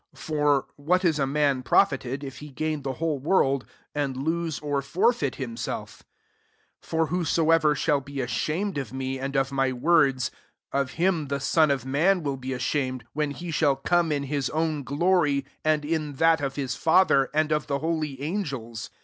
35 For what is a man profited^ tf he gain the whole worl^ and lose [or forfeit] himself ?^ 26 For whosoever shall be ashamed of me, and of my words, of him the Son ,o§ man will be ashamed, wheithe sksJl come in his own glsrji and In that (^ hU Father,, and o£ the holy angete.